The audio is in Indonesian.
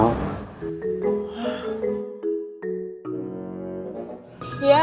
lihat doang sebentar